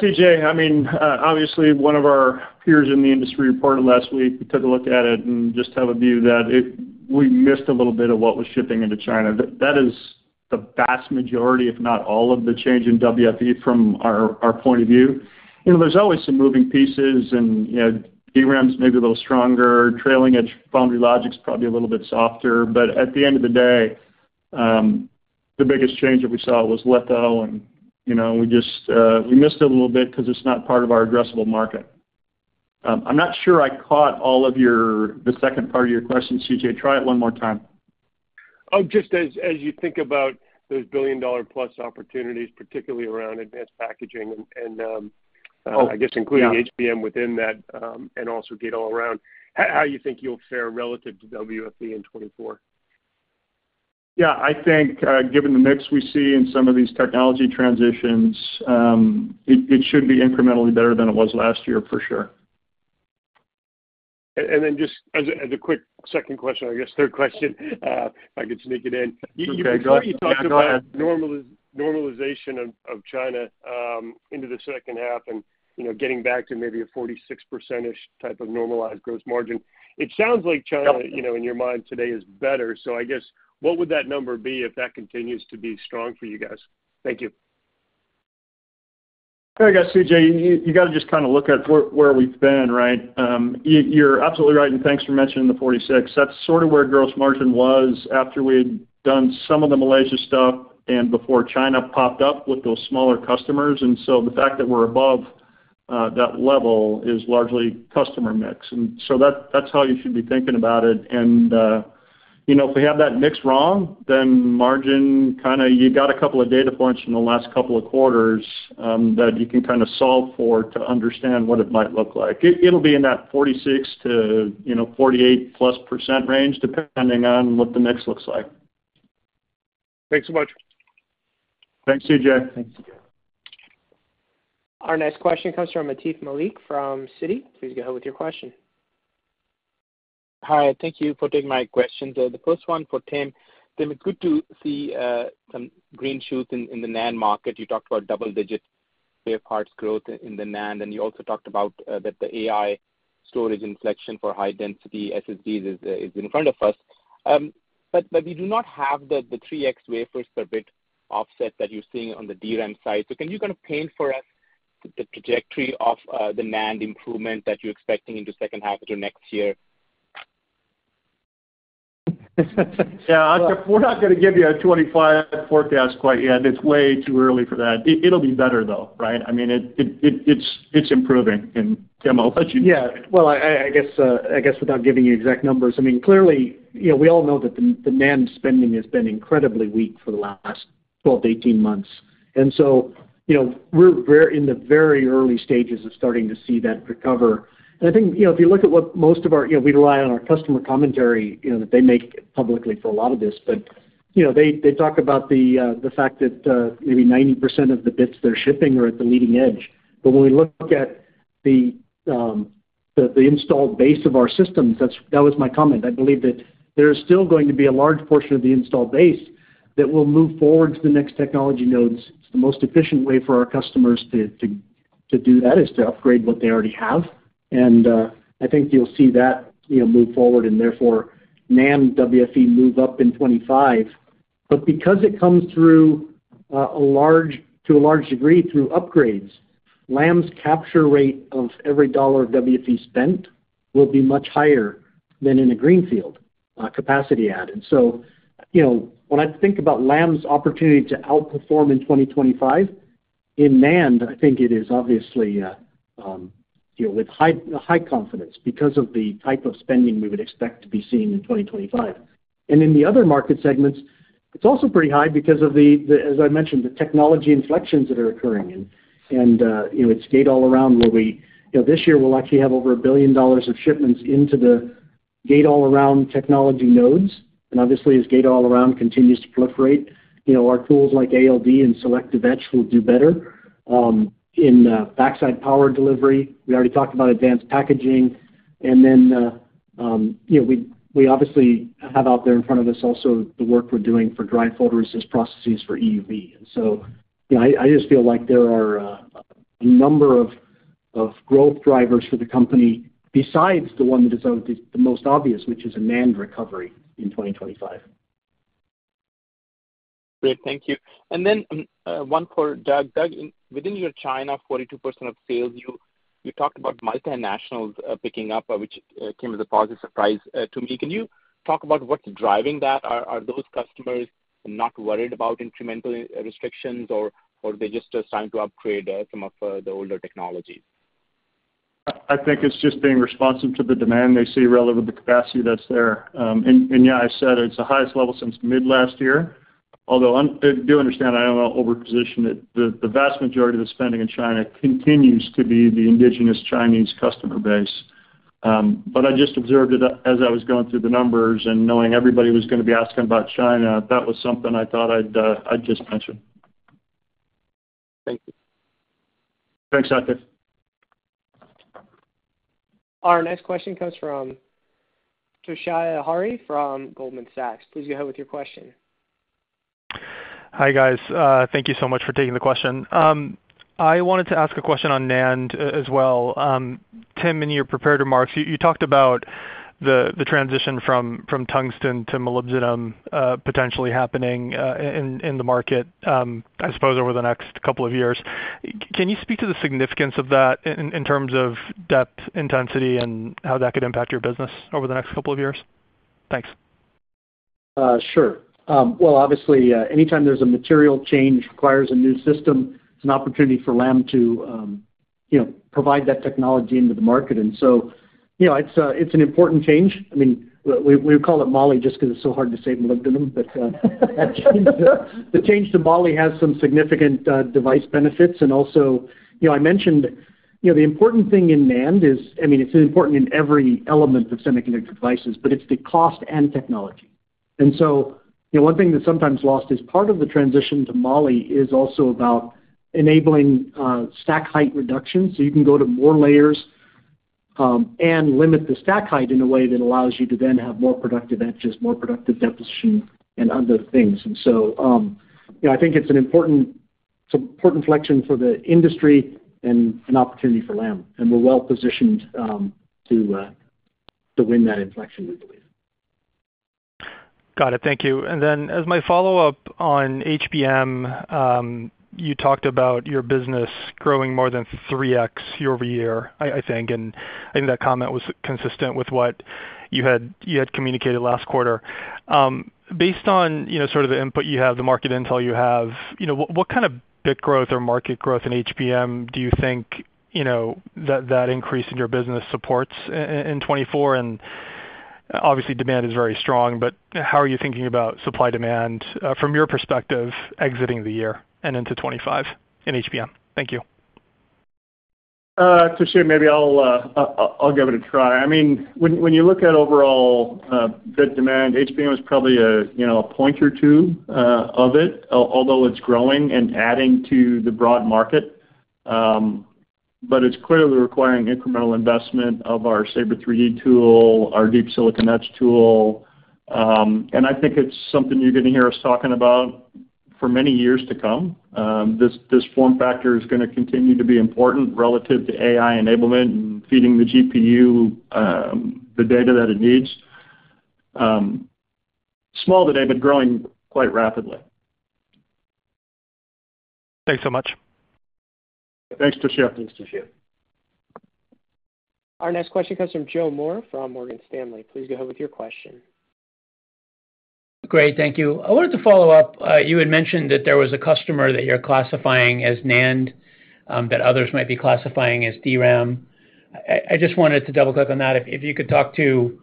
D: C.J., I mean, obviously, one of our peers in the industry reported last week. We took a look at it and just have a view that we missed a little bit of what was shipping into China. That is the vast majority, if not all, of the change in WFE from our point of view. There's always some moving pieces. DRAM's maybe a little stronger. Trailing-edge foundry logic's probably a little bit softer. But at the end of the day, the biggest change that we saw was litho. We missed it a little bit because it's not part of our addressable market. I'm not sure I caught the second part of your question, C.J. Try it one more time.
I: Oh, just as you think about those billion-dollar-plus opportunities, particularly around advanced packaging and, I guess, including HBM within that and also Gate All Around, how do you think you'll fare relative to WFE in 2024?
D: Yeah. I think given the mix we see in some of these technology transitions, it should be incrementally better than it was last year, for sure. And then just as a quick second question, I guess third question, if I could sneak it in.
I: Before you talked about normalization of China into the second half and getting back to maybe a 46%-ish type of normalized gross margin, it sounds like China in your mind today is better. So I guess what would that number be if that continues to be strong for you guys? Thank you.
D: Yeah. I guess, C.J., you got to just kind of look at where we've been, right? You're absolutely right. And thanks for mentioning the 46. That's sort of where gross margin was after we had done some of the Malaysia stuff and before China popped up with those smaller customers. And so the fact that we're above that level is largely customer mix. And so that's how you should be thinking about it. And if we have that mix wrong, then margin kind of you got a couple of data points from the last couple of quarters that you can kind of solve for to understand what it might look like. It'll be in that 46%-48%+ range depending on what the mix looks like.
I: Thanks so much.
D: Thanks, CJ.
C: Thanks, CJ.
A: Our next question comes from Atif Malik from Citi. Please go ahead with your question.
J: Hi. Thank you for taking my questions. The first one for Tim. Tim, it's good to see some green shoots in the NAND market. You talked about double-digit wafer starts growth in the NAND. And you also talked about that the AI storage inflection for high-density SSDs is in front of us. But we do not have the 3x wafer-per-bit offset that you're seeing on the DRAM side. So can you kind of paint for us the trajectory of the NAND improvement that you're expecting into second half into next year?
C: Yeah. We're not going to give you a 2025 forecast quite yet. It's way too early for that. It'll be better, though, right? I mean, it's improving.
D: And Tim, I'll let you yeah.
C: Well, I guess without giving you exact numbers, I mean, clearly, we all know that the NAND spending has been incredibly weak for the last 12, 18 months. And so we're in the very early stages of starting to see that recovery. I think if you look at what we rely on, our customer commentary that they make publicly for a lot of this. But they talk about the fact that maybe 90% of the bits they're shipping are at the leading edge. But when we look at the installed base of our systems, that was my comment. I believe that there's still going to be a large portion of the installed base that will move forward to the next technology nodes. It's the most efficient way for our customers to do that is to upgrade what they already have. I think you'll see that move forward and, therefore, NAND/WFE move up in 2025. But because it comes through, to a large degree, through upgrades, Lam's capture rate of every dollar of WFE spent will be much higher than in a greenfield capacity add. And so when I think about Lam's opportunity to outperform in 2025, in NAND, I think it is obviously with high confidence because of the type of spending we would expect to be seeing in 2025. And in the other market segments, it's also pretty high because of, as I mentioned, the technology inflections that are occurring. And it's Gate All Around where we this year, we'll actually have over $1 billion of shipments into the Gate All Around technology nodes. And obviously, as Gate All Around continues to proliferate, our tools like ALD and Selective Edge will do better. In backside power delivery, we already talked about advanced packaging. And then we obviously have out there in front of us also the work we're doing for dry photoresist processes for EUV. So I just feel like there are a number of growth drivers for the company besides the one that is the most obvious, which is a NAND recovery in 2025.
D: Great. Thank you. And then one for Doug. Doug, within your China, 42% of sales, you talked about multinationals picking up, which came as a positive surprise to me. Can you talk about what's driving that? Are those customers not worried about incremental restrictions, or are they just trying to upgrade some of the older technologies? I think it's just being responsive to the demand they see relative to the capacity that's there. And yeah, I said it's the highest level since mid last year. Although I do understand I don't want to overposition it. The vast majority of the spending in China continues to be the indigenous Chinese customer base. But I just observed it as I was going through the numbers and knowing everybody was going to be asking about China. That was something I thought I'd just mention.
J: Thank you.
D: Thanks, Atif.
A: Our next question comes from Toshiya Hari from Goldman Sachs. Please go ahead with your question.
K: Hi, guys. Thank you so much for taking the question. I wanted to ask a question on NAND as well. Tim, in your preparatory remarks, you talked about the transition from Tungsten to molybdenum potentially happening in the market, I suppose, over the next couple of years. Can you speak to the significance of that in terms of depth, intensity, and how that could impact your business over the next couple of years? Thanks.
C: Sure. Well, obviously, anytime there's a material change that requires a new system, it's an opportunity for Lam to provide that technology into the market. And so it's an important change. I mean, we call it Moly just because it's so hard to say molybdenum. But the change to Moly has some significant device benefits. And also, I mentioned the important thing in NAND is I mean, it's important in every element of semiconductor devices. But it's the cost and technology. And so one thing that's sometimes lost is part of the transition to Moly is also about enabling stack height reduction so you can go to more layers and limit the stack height in a way that allows you to then have more productive edges, more productive deposition, and other things. And so I think it's an important inflection for the industry and an opportunity for Lam. And we're well-positioned to win that inflection, we believe.
K: Got it. Thank you. And then as my follow-up on HBM, you talked about your business growing more than 3x year-over-year, I think. And I think that comment was consistent with what you had communicated last quarter. Based on sort of the input you have, the market intel you have, what kind of BIC growth or market growth in HBM do you think that increase in your business supports in 2024? And obviously, demand is very strong. But how are you thinking about supply-demand from your perspective exiting the year and into 2025 in HBM? Thank you.
D: Toshiya, maybe I'll give it a try. I mean, when you look at overall BIC demand, HBM is probably a pointer to of it, although it's growing and adding to the broad market. But it's clearly requiring incremental investment of our Sabre 3D tool, our Deep Silicon Etch tool. And I think it's something you're going to hear us talking about for many years to come. This form factor is going to continue to be important relative to AI enablement and feeding the GPU the data that it needs. Small today but growing quite rapidly.
K: Thanks so much.
C: Thanks, Toshiya.
D: Thanks, Toshiya.
A: Our next question comes from Joe Moore from Morgan Stanley. Please go ahead with your question.
L: Great. Thank you. I wanted to follow up. You had mentioned that there was a customer that you're classifying as NAND that others might be classifying as DRAM. I just wanted to double-click on that. If you could talk to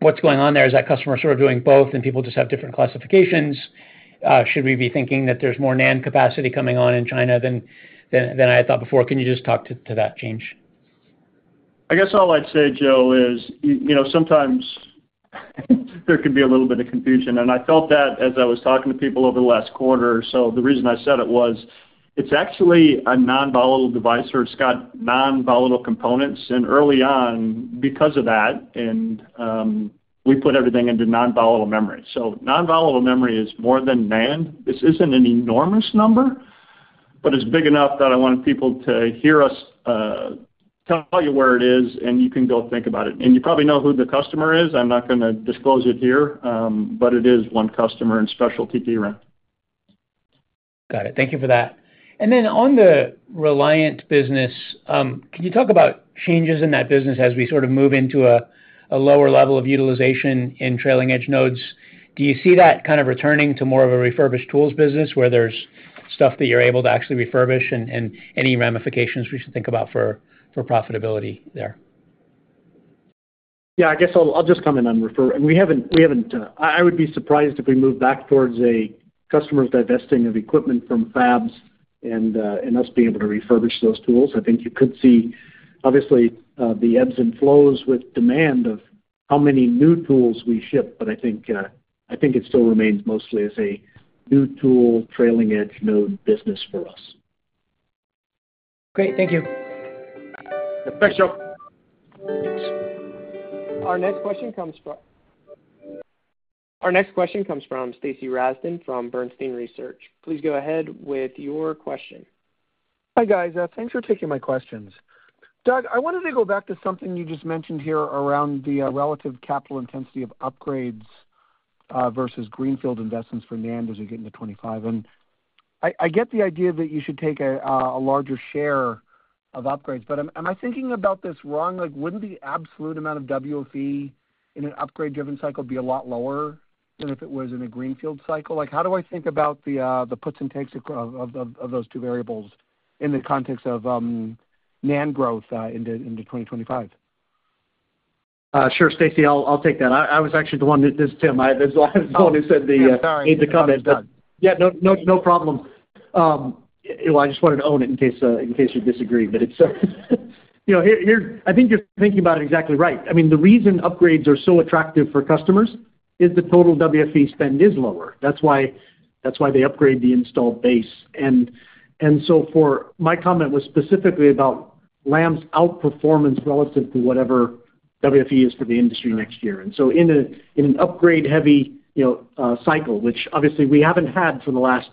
L: what's going on there. Is that customer sort of doing both, and people just have different classifications? Should we be thinking that there's more NAND capacity coming on in China than I had thought before? Can you just talk to that change?
D: I guess all I'd say, Joe, is sometimes there can be a little bit of confusion. I felt that as I was talking to people over the last quarter. The reason I said it was it's actually a non-volatile device, or it's got non-volatile components. Early on, because of that, we put everything into non-volatile memory. Non-volatile memory is more than NAND. This isn't an enormous number, but it's big enough that I wanted people to hear us tell you where it is, and you can go think about it. You probably know who the customer is. I'm not going to disclose it here. It is one customer in specialty DRAM.
L: Got it. Thank you for that. And then on the Reliant business, can you talk about changes in that business as we sort of move into a lower level of utilization in trailing-edge nodes? Do you see that kind of returning to more of a refurbished tools business where there's stuff that you're able to actually refurbish and any ramifications we should think about for profitability there?
C: Yeah. I guess I'll just come in on refurbishment. I would be surprised if we moved back towards a customer's divesting of equipment from fabs and us being able to refurbish those tools. I think you could see, obviously, the ebbs and flows with demand of how many new tools we ship. But I think it still remains mostly as a new tool trailing-edge node business for us.
L: Great. Thank you.
C: Thanks, Joe.
A: Our next question comes from Stacy Rasgon from Bernstein Research. Please go ahead with your question.
M: Hi, guys. Thanks for taking my questions. Doug, I wanted to go back to something you just mentioned here around the relative capital intensity of upgrades versus greenfield investments for NAND as you get into 2025. I get the idea that you should take a larger share of upgrades. But am I thinking about this wrong? Wouldn't the absolute amount of WFE in an upgrade-driven cycle be a lot lower than if it was in a greenfield cycle? How do I think about the puts and takes of those two variables in the context of NAND growth into 2025?
C: Sure, Stacey. I'll take that. I was actually the one that this is Tim. I was the one who said the need to comment.
M: Yeah. No problem. Well, I just wanted to own it in case you disagreed.
C: But I think you're thinking about it exactly right. I mean, the reason upgrades are so attractive for customers is the total WFE spend is lower. That's why they upgrade the installed base. And so my comment was specifically about Lam's outperformance relative to whatever WFE is for the industry next year. And so in an upgrade-heavy cycle, which obviously, we haven't had for the last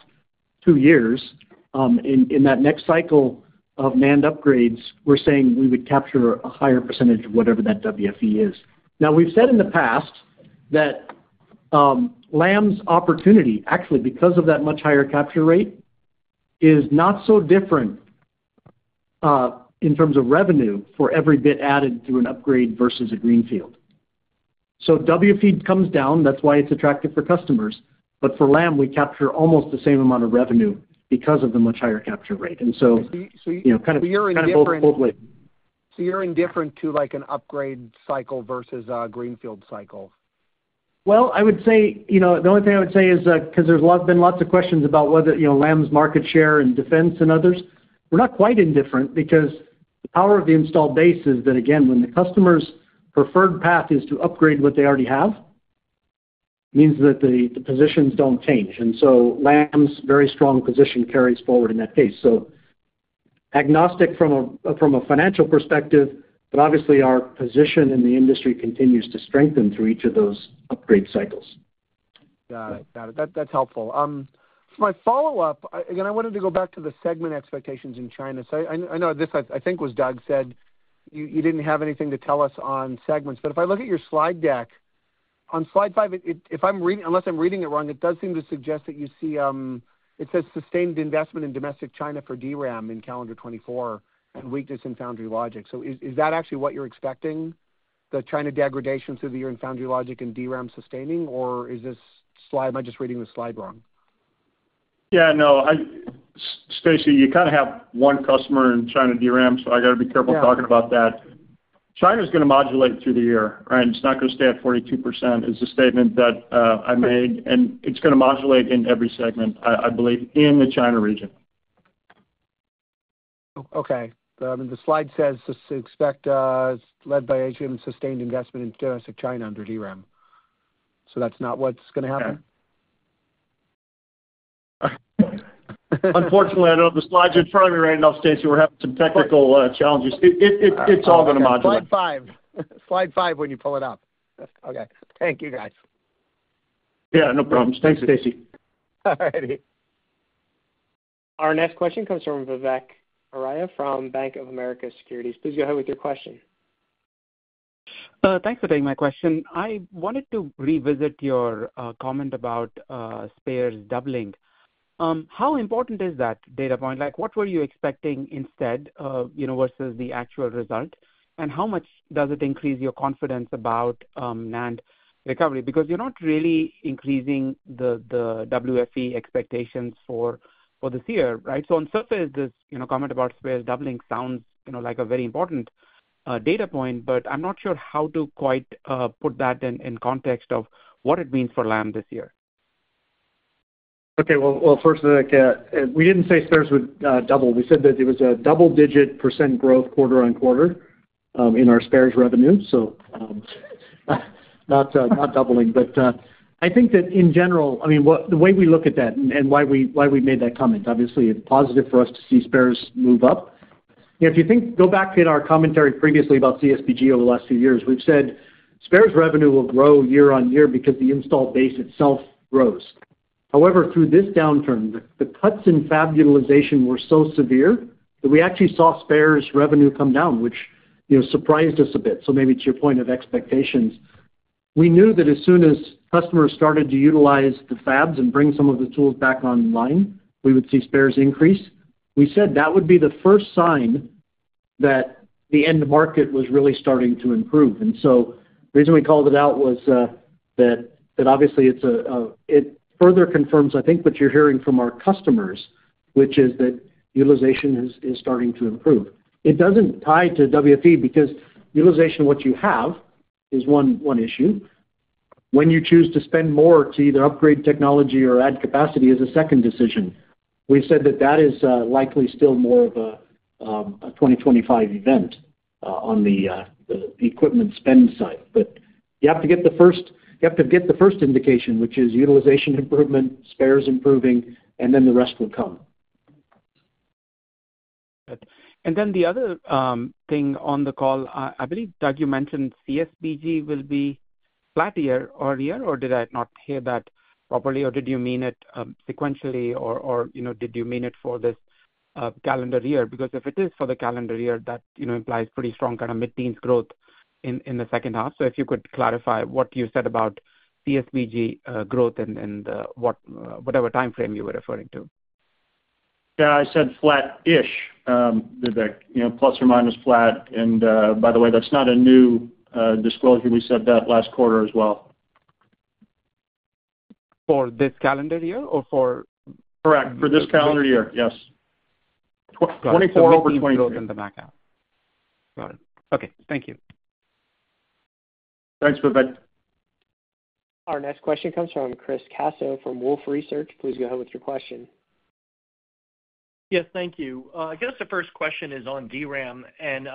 C: two years, in that next cycle of NAND upgrades, we're saying we would capture a higher percentage of whatever that WFE is. Now, we've said in the past that Lam's opportunity, actually, because of that much higher capture rate, is not so different in terms of revenue for every bit added through an upgrade versus a greenfield. So WFE comes down. That's why it's attractive for customers. But for Lam, we capture almost the same amount of revenue because of the much higher capture rate. And so kind of kind of both ways. So you're indifferent to an upgrade cycle versus a greenfield cycle? Well, I would say the only thing I would say is because there's been lots of questions about Lam's market share in defense and others, we're not quite indifferent because the power of the installed base is that, again, when the customer's preferred path is to upgrade what they already have, it means that the positions don't change. And so Lam's very strong position carries forward in that case. So agnostic from a financial perspective, but obviously, our position in the industry continues to strengthen through each of those upgrade cycles.
M: Got it. Got it. That's helpful. For my follow-up, again, I wanted to go back to the segment expectations in China. So I know this, I think, was Doug said. You didn't have anything to tell us on segments. But if I look at your slide deck, on slide 5, unless I'm reading it wrong, it does seem to suggest that you see it says sustained investment in domestic China for DRAM in calendar 2024 and weakness in foundry logic. So is that actually what you're expecting, the China degradation through the year in foundry logic and DRAM sustaining? Or is this slide am I just reading the slide wrong?
D: Yeah. No. Stacy, you kind of have one customer in China DRAM. So I got to be careful talking about that. China's going to modulate through the year, right? It's not going to stay at 42% is the statement that I made. And it's going to modulate in every segment, I believe, in the China region.
M: Okay. I mean, the slide says expect led by HBM sustained investment in domestic China under DRAM. So that's not what's going to happen?
D: Yeah. Unfortunately, I don't know. The slides are in front of me right now, Stacy. We're having some technical challenges. It's all going to modulate. Slide 5. Slide 5 when you pull it up.
M: Okay. Thank you, guys.
D: Yeah. No problems. Thanks, Stacy. All righty.
A: Our next question comes from Vivek Arya from Bank of America Securities. Please go ahead with your question.
N: Thanks for taking my question. I wanted to revisit your comment about spares doubling. How important is that data point? What were you expecting instead versus the actual result? And how much does it increase your confidence about NAND recovery? Because you're not really increasing the WFE expectations for this year, right? So on surface, this comment about spares doubling sounds like a very important data point. But I'm not sure how to quite put that in context of what it means for Lam this year.
D: Okay. Well, first, Vivek, we didn't say spares would double. We said that it was a double-digit % growth quarter-on-quarter in our spares revenue. So not doubling. But I think that, in general, I mean, the way we look at that and why we made that comment, obviously, it's positive for us to see spares move up. If you think go back in our commentary previously about CSBG over the last few years, we've said spares revenue will grow year-on-year because the installed base itself grows. However, through this downturn, the cuts in fab utilization were so severe that we actually saw spares revenue come down, which surprised us a bit. Maybe it's your point of expectations. We knew that as soon as customers started to utilize the fabs and bring some of the tools back online, we would see spares increase. We said that would be the first sign that the end market was really starting to improve. The reason we called it out was that, obviously, it further confirms, I think, what you're hearing from our customers, which is that utilization is starting to improve. It doesn't tie to WFE because utilization of what you have is one issue. When you choose to spend more to either upgrade technology or add capacity is a second decision. We said that that is likely still more of a 2025 event on the equipment spend side. But you have to get the first you have to get the first indication, which is utilization improvement, spares improving, and then the rest will come.
N: And then the other thing on the call, I believe, Doug, you mentioned CSBG will be flat year-over-year. Or did I not hear that properly? Or did you mean it sequentially? Or did you mean it for this calendar year? Because if it is for the calendar year, that implies pretty strong kind of mid-teens growth in the second half. So if you could clarify what you said about CSBG growth and whatever time frame you were referring to.
D: Yeah. I said flat-ish, Vivek. ± flat. And by the way, that's not a new disclosure. We said that last quarter as well. For this calendar year or for? Correct. For this calendar year. Yes. 2024 over 2023.
N: Got it. Okay. Thank you.
D: Thanks, Vivek.
A: Our next question comes from Chris Caso from Wolfe Research. Please go ahead with your question.
O: Yes. Thank you. I guess the first question is on DRAM. And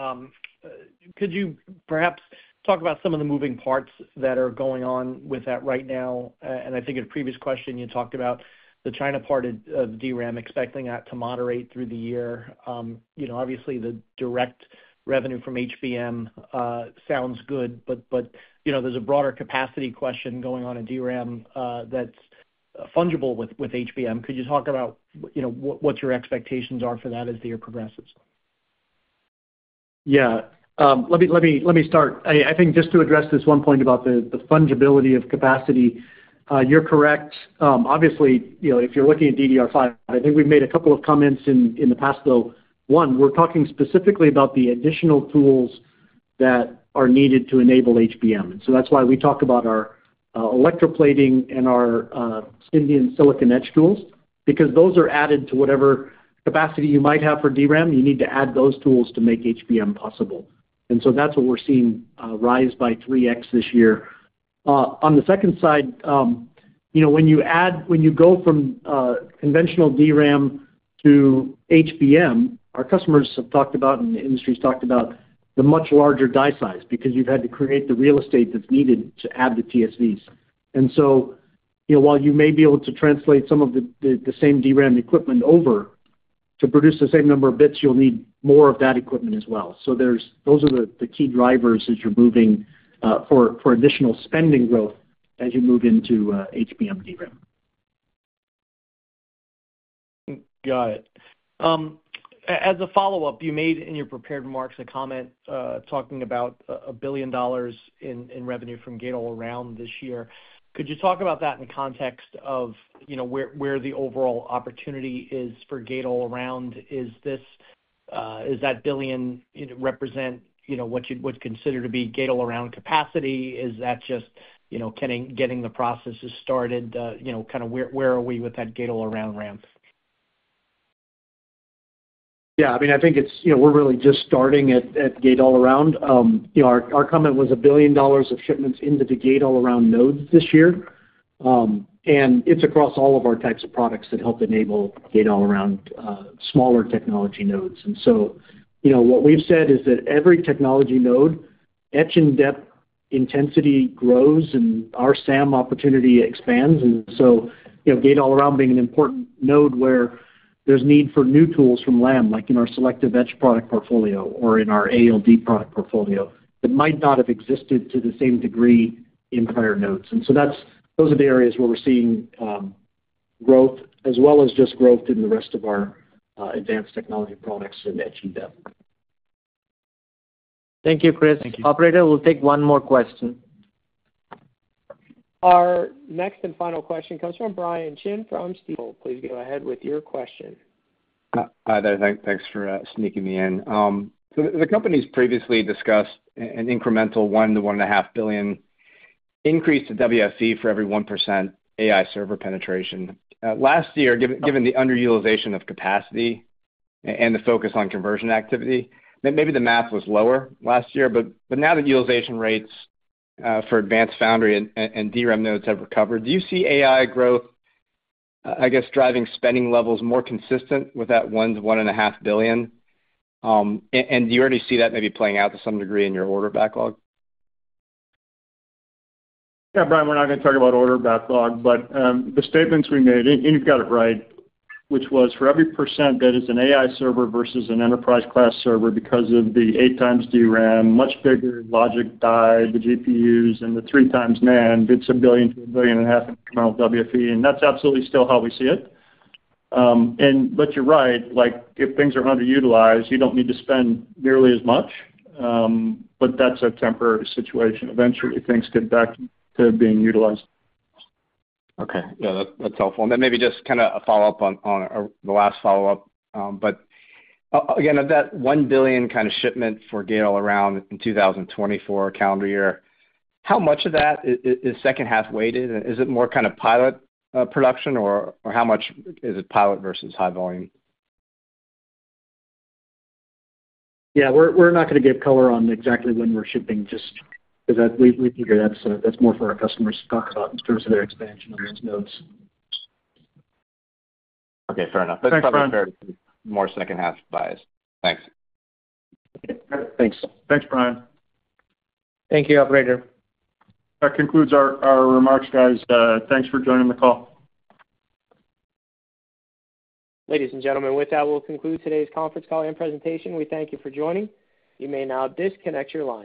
O: could you perhaps talk about some of the moving parts that are going on with that right now? And I think in a previous question, you talked about the China part of DRAM expecting that to moderate through the year. Obviously, the direct revenue from HBM sounds good. But there's a broader capacity question going on in DRAM that's fungible with HBM. Could you talk about what your expectations are for that as the year progresses? Yeah. Let me start. I think just to address this one point about the fungibility of capacity, you're correct. Obviously, if you're looking at DDR5, I think we've made a couple of comments in the past, though. One, we're talking specifically about the additional tools that are needed to enable HBM. And so that's why we talk about our electroplating and our Indian silicon etch tools because those are added to whatever capacity you might have for DRAM. You need to add those tools to make HBM possible. And so that's what we're seeing rise by 3x this year. On the second side, when you go from conventional DRAM to HBM, our customers have talked about, and the industry's talked about, the much larger die size because you've had to create the real estate that's needed to add the TSVs. And so while you may be able to translate some of the same DRAM equipment over to produce the same number of bits, you'll need more of that equipment as well. So those are the key drivers as you're moving for additional spending growth as you move into HBM DRAM. Got it. As a follow-up, you made in your prepared remarks a comment talking about $1 billion in revenue from Gate-All-Around this year. Could you talk about that in the context of where the overall opportunity is for Gate-All-Around? Is that billion represent what's considered to be Gate-All-Around capacity? Is that just getting the processes started? Kind of where are we with that Gate-All-Around ramp?
D: Yeah. I mean, I think we're really just starting at Gate-All-Around. Our comment was $1 billion of shipments into the Gate-All-Around nodes this year. And it's across all of our types of products that help enable Gate-All-Around smaller technology nodes. And so what we've said is that every technology node, etch and depth intensity grows, and our SAM opportunity expands. And so Gate-All-Around being an important node where there's need for new tools from Lam, like in our selective etch product portfolio or in our ALD product portfolio that might not have existed to the same degree in prior nodes. And so those are the areas where we're seeing growth as well as just growth in the rest of our advanced technology products and etch and depth. Thank you, Chris. Operator, we'll take one more question.
A: Our next and final question comes from Brian Chin from Stifel. Please go ahead with your question.
P: Hi there. Thanks for sneaking me in. So the company's previously discussed an incremental $1-$1.5 billion increase to WFE for every 1% AI server penetration. Last year, given the underutilization of capacity and the focus on conversion activity, maybe the math was lower last year. But now that utilization rates for advanced foundry and DRAM nodes have recovered, do you see AI growth, I guess, driving spending levels more consistent with that $1 billion-$1.5 billion? And do you already see that maybe playing out to some degree in your order backlog?
D: Yeah. Brian, we're not going to talk about order backlog. But the statements we made, and you've got it right, which was for every 1% that is an AI server versus an enterprise-class server because of the 8x DRAM, much bigger logic die, the GPUs, and the 3x NAND, it's a $1 billion-$1.5 billion incremental WFE. And that's absolutely still how we see it. But you're right. If things are underutilized, you don't need to spend nearly as much. But that's a temporary situation. Eventually, things get back to being utilized.
P: Okay. Yeah. That's helpful. And then maybe just kind of a follow-up on the last follow-up. But again, of that $1 billion kind of shipment for gate-all-around in 2024 calendar year, how much of that is second-half weighted? And is it more kind of pilot production? Or how much is it pilot versus high volume?
C: Yeah. We're not going to give color on exactly when we're shipping just because we figure that's more for our customers to talk about in terms of their expansion on those nodes. Okay. Fair enough. That's probably fair to more second-half bias.
P: Thanks.
C: Thanks.
D: Thanks, Brian. Thank you, Operator.
A: That concludes our remarks, guys. Thanks for joining the call. Ladies and gentlemen, with that, we'll conclude today's conference call and presentation. We thank you for joining. You may now disconnect your lines.